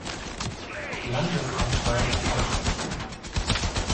Landesanstalt", anschließen.